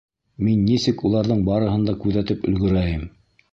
Мин нисек уларҙың барыһын да күҙәтеп өлгөрәйем?